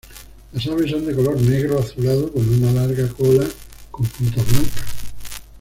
Las aves son de color negro azulado con una larga cola con puntas blancas.